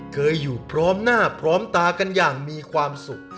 เคยอยู่พร้อมหน้าพร้อมตากันอย่างมีความสุข